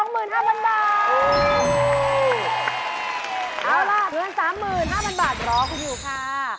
เงิน๓๕๐๐๐บาทเดี๋ยวรอคุณหิวค่ะ